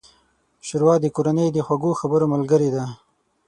ښوروا د کورنۍ د خوږو خبرو ملګرې ده.